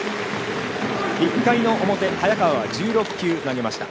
１回の表、早川は１６球投げました。